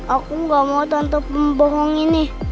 aku gak mau tante pembohong ini